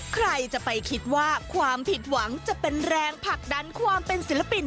ใครจะไปคิดว่าความผิดหวังจะเป็นแรงผลักดันความเป็นศิลปิน